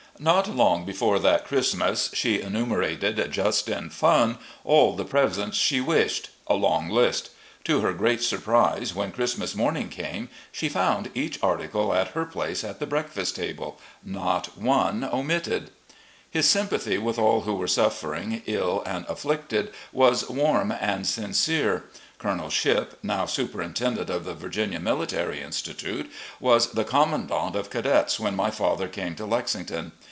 Not long before that Christmas, she enumerated, just in fun, all the presents she wished — a long list. To her great surprise, when Christmas morning came she fotmd each article at her place at the breakfast table — ^not one omitted. His sympathy with all who were suffering, ill, and afflicted was warm and sincere. Colonel Shipp, now superintendent of the Virginia Military Institute, was the commandant of cadets when my father came to Lexing ton.